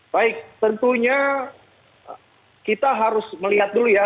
baik tentunya kita harus melihat dulu ya